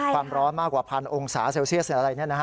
ความร้อนมากกว่า๑๐๐๐องศาเซลเซียสอะไรแน่นะฮะ